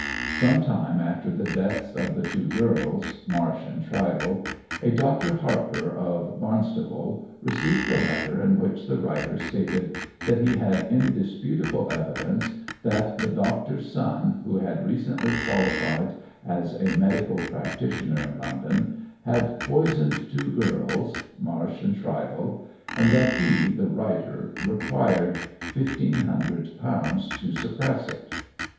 Some time after the deaths of the two girls Marsh and Shrivell, a Dr. Harper, of Barnstaple, received a letter, in which the writer stated, that he had indisputable evidence that the doctor's son, who had recently qualified as a medical practitioner in London, had poisoned two girls Marsh and Shrivell and that he, the writer, required £1,500 to suppress it.